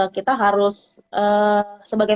kita harus sebagai